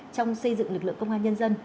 trong xây dựng lực lượng công an nhân dân